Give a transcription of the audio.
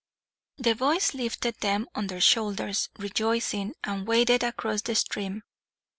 The boys lifted them on their shoulders, rejoicing, and waded across the stream.